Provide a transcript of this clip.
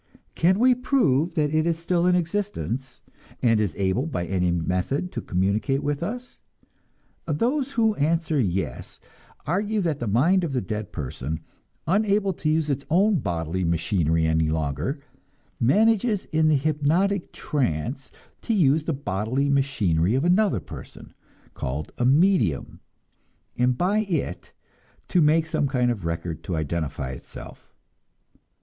Can we prove that it is still in existence, and is able by any method to communicate with us? Those who answer "Yes" argue that the mind of the dead person, unable to use its own bodily machinery any longer, manages in the hypnotic trance to use the bodily machinery of another person, called a "medium," and by it to make some kind of record to identify itself.